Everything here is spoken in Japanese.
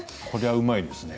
これは、うまい。